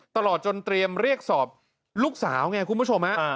ตลอดจนเตรียมเรียกสอบลูกสาวไงคุณผู้ชมฮะ